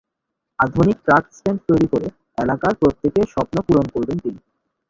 আধুনিক truck stand তৈরি করে এলাকার প্রত্যেকের স্বপ্ন পূরণ করবেন তিনি।